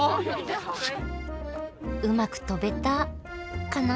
うまく飛べたカナ？